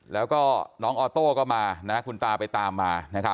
แล้วก็น้องออโต้ก็มาคุณตาไปตามมา